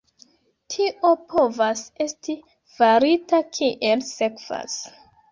Tio povas esti farita kiel sekvas.